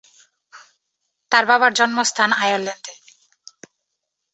তার বাবার জন্মস্থান আয়ারল্যান্ডে।